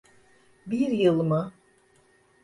Bir yıl mı?